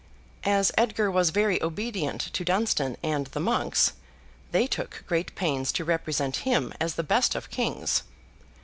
As Edgar was very obedient to Dunstan and the monks, they took great pains to represent him as the best of kings.